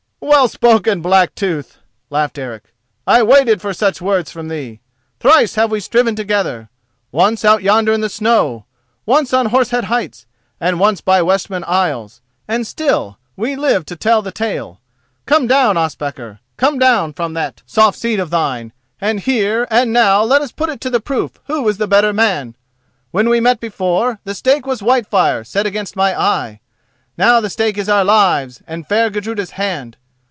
"Well spoken, Blacktooth," laughed Eric. "I waited for such words from thee. Thrice have we striven together—once out yonder in the snow, once on Horse Head Heights, and once by Westman Isles—and still we live to tell the tale. Come down, Ospakar: come down from that soft seat of thine and here and now let us put it to the proof who is the better man. When we met before, the stake was Whitefire set against my eye. Now the stake is our lives and fair Gudruda's hand.